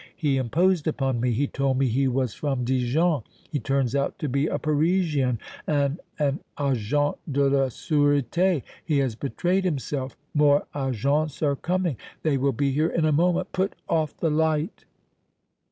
He imposed upon me. He told me he was from Dijon. He turns out to be a Parisian and an Agent de la Sureté. He has betrayed himself. More Agents are coming! They will be here in a moment! Put off the light!"